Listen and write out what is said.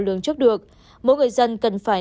lường trước được mỗi người dân cần phải